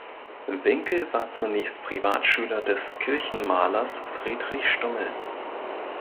Winkel war zunächst Privatschüler des Kirchenmalers Friedrich Stummel.